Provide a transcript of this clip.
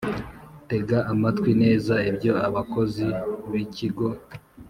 Tega amatwi neza ibyo abakozi b ikigo